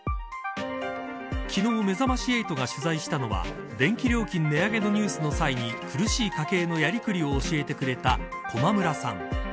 昨日、めざまし８が取材したのは電気料金値上げのニュースの際に苦しい家計のやりくりを教えてくれた駒村さん。